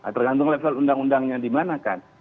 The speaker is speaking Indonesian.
tergantung level undang undangnya dimanakan